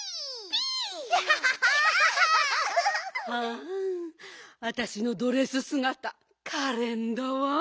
ピー！はわたしのドレスすがたかれんだわ。